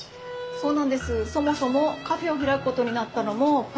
そうなんです。